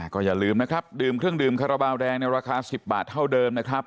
ก็อย่าลืมนะครับดื่มเครื่องดื่มคาราบาลแดงในราคา๑๐บาทเท่าเดิมนะครับ